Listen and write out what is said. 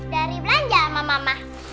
dari belanja sama mama